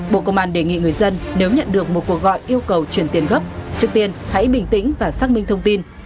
bộ công an đề nghị người dân nếu nhận được một cuộc gọi yêu cầu chuyển tiền gấp trước tiên hãy bình tĩnh và xác minh thông tin